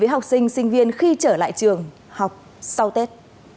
học sinh sinh viên khi trở lại trường học sau tết